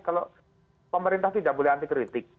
kalau pemerintah tidak boleh anti kritik